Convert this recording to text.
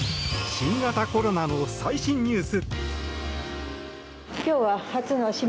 新型コロナの最新ニュース。